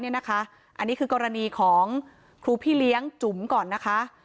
อันนี้คือกรณีของครูพี่เลี้ยงจุ๋มก่อนนะคะ